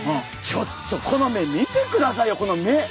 ちょっとこの目見てくださいよこの目！